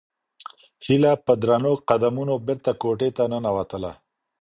هیله په درنو قدمونو بېرته کوټې ته ننووتله.